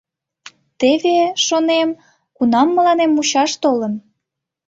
Теве, шонем, кунам мыланем мучаш толын.